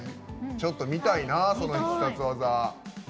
ちょっと見たいな、その必殺技。